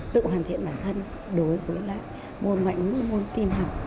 tự hoàn thiện bản thân đối với lại ngôn ngoại ngữ ngôn tin học